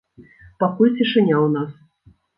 Пакуль цішыня ў нас.